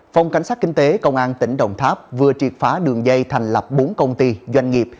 phòng cảnh sát kinh tế công an tỉnh đồng tháp vừa triệt phá đường dây thành lập bốn công ty doanh nghiệp